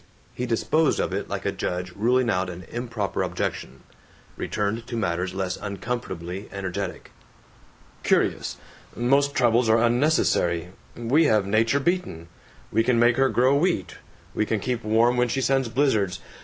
He disposed of it like a judge ruling out an improper objection; returned to matters less uncomfortably energetic: "Curious. Most troubles are unnecessary. We have Nature beaten; we can make her grow wheat; we can keep warm when she sends blizzards.